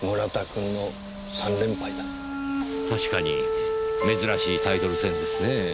確かに珍しいタイトル戦ですね。